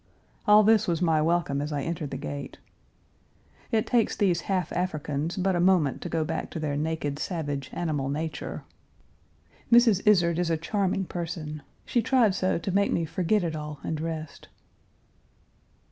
All this was my welcome as I entered the gate. It takes these half Africans but a moment to go back to their naked savage animal nature. Page 326 Mrs. Izard is a charming person. She tried so to make me forget it all and rest.